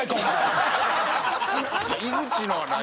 井口のはない。